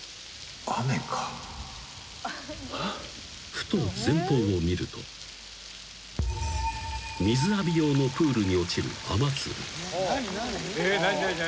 ［ふと前方を見ると水浴び用のプールに落ちる雨粒］